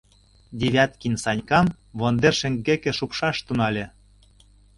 Девяткин Санькам вондер шеҥгеке шупшаш тӱҥале: